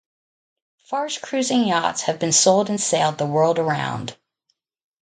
Farr's cruising yachts have been sold and sailed the world around.